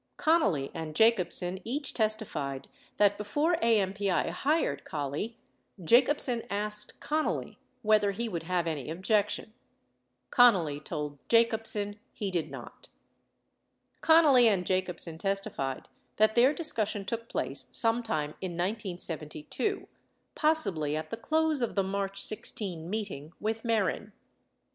82 Connally and Jacobsen each testified that before AMPI hired Collie, Jacobsen asked Connally whether he would have any objection. Connally told Jacobsen he did not. 83 Connally and Jacobsen testified that their discussion took place some time in 1972, possibly at the close of the March 16 meeting with Mehren.